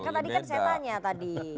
kan tadi kan saya tanya tadi